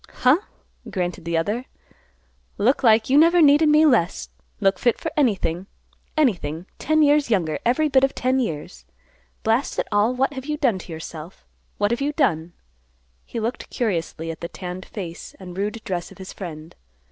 "Huh!" grunted the other. "Look like you never needed me less. Look fit for anything, anything; ten years younger; every bit of ten years. Blast it all; what have you done to yourself? What have you done?" He looked curiously at the tanned face and rude dress of his friend.